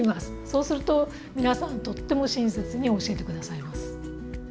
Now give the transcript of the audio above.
そうすると皆さんとっても親切に教えて下さいます。